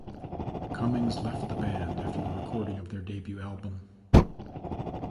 Cummings left the band after the recording of their debut album !